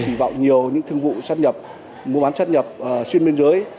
kỳ vọng nhiều những thương vụ sát nhập mua bán sát nhập xuyên biên giới